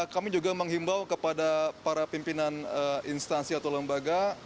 kami juga menghimbau kepada para pimpinan instansi atau lembaga